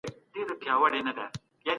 د دغي کیسې په پای کي څه وسول؟